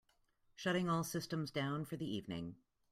Shutting all systems down for the evening.